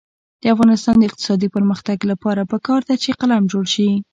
د افغانستان د اقتصادي پرمختګ لپاره پکار ده چې قلم جوړ شي.